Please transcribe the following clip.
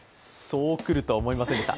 そう来るとは思いませんでした。